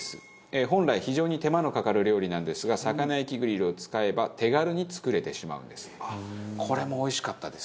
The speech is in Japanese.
本来非常に手間のかかる料理なんですが魚焼きグリルを使えば手軽に作れてしまうんです。